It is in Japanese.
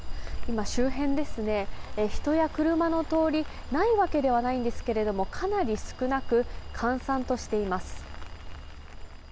周辺、人や車の通りないわけではないんですけれどもかなり少なく閑散としています。